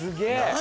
何？